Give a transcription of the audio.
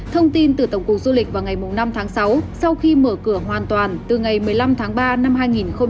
thông tin từ tổng cục du lịch vào ngày năm tháng sáu sau khi mở cửa hoàn toàn từ ngày một mươi năm tháng ba năm hai nghìn hai mươi